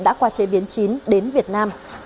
đã qua chế biến chín đến việt nam